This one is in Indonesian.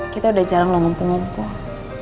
kita udah jarang lompong lompong